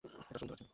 এটা সুন্দর আছে!